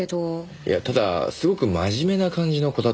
いやただすごく真面目な感じの子だったんです。